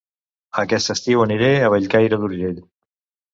Aquest estiu aniré a Bellcaire d'Urgell